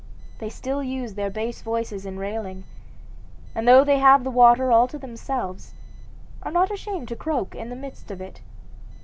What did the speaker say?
They still use their base voices in railing, and though they have the water all to themselves, are not ashamed to croak in the midst of it.